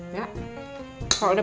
berarti kita apa apa